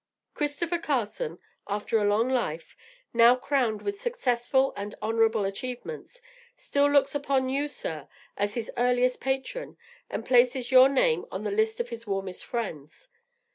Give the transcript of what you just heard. CHRISTOPHER CARSON, after a long life, now crowned with successful and honorable achievements, still looks upon you, sir, as his earliest patron, and places your name on the list of his warmest friends.